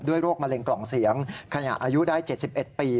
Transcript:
โรคมะเร็งกล่องเสียงขณะอายุได้๗๑ปี